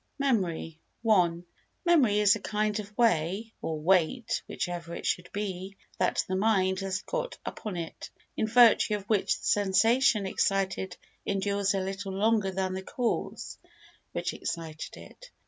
Memory i Memory is a kind of way (or weight—whichever it should be) that the mind has got upon it, in virtue of which the sensation excited endures a little longer than the cause which excited it.